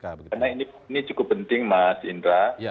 karena ini cukup penting mas indra